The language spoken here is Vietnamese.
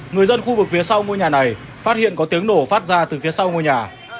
người dân khu vực phía sau ngôi nhà này phát hiện có tiếng nổ phát ra từ phía sau ngôi nhà